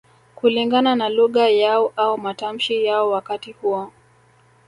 Kulingana na lugha yao au matamshi yao wakati huo